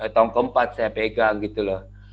tahun keempat saya pegang gitu loh